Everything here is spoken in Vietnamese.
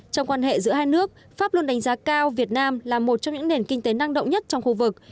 trong quan hệ giữa hai nước pháp luôn đánh giá cao việt nam là một trong những nền kinh tế năng động nhất trong khu vực